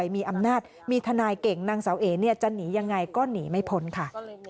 มีทนายเก่งนางเสาเอเนี่ยจะหนียังไงก็หนีไม่พ้นค่ะ